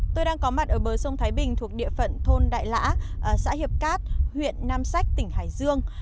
tôi đang có mặt ở bờ sông thái bình thuộc địa phận thôn đại lã xã hiệp cát huyện nam sách tỉnh hải dương